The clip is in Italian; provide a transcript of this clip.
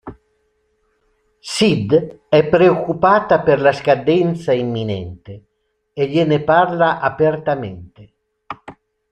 Syd è preoccupata per la scadenza imminente, e gliene parla apertamente.